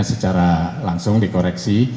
secara langsung dikoreksi